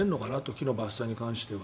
木の伐採に関しては。